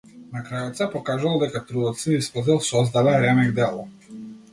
На крајот се покажало дека трудот се исплател создале ремек дело!